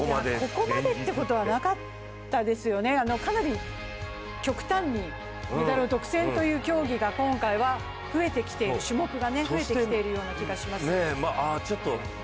ここまでってことはなかったですよね、かなり極端にメダルを独占という種目が今回は増えてきているような気がします。